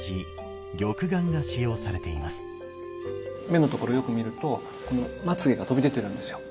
目のところよく見るとまつげが飛び出てるんですよ。